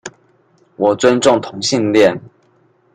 我尊重同性戀